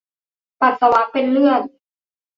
ปัสสาวะเป็นเลือด